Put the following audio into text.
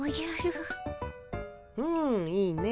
うんいいね。